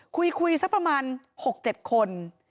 คุยสักประมาณ๖๗คน